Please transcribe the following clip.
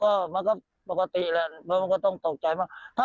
ก็มันก็ปกติแหละมันก็ต้องตกใจมาก